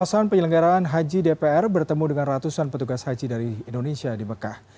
pesan penyelenggaraan haji dpr bertemu dengan ratusan petugas haji dari indonesia di mekah